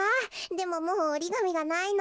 でももうおりがみがないの。